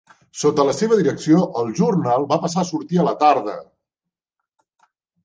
Sota la seva direcció, el Journal va passar a sortir a la tarda.